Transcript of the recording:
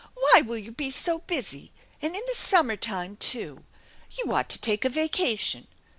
" Why will you be so busy ! and in the summer time, too ! You ought to take a vacation